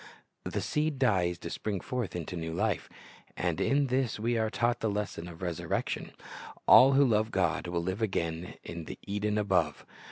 The seed dies to spring forth into new life, and in this we are taught the lesson of the resurrection. All who love God will live again in the Eden above.